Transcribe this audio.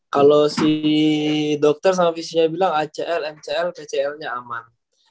kalau si dokter sama fisiknya bilang acl mcl pcl nya aman